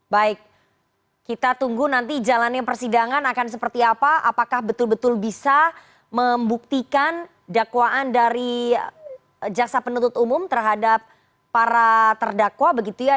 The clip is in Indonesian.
baik kita tunggu nanti jalannya persidangan akan seperti apa apakah betul betul bisa membuktikan dakwaan dari jaksa penuntut umum terhadap para terdakwa begitu ya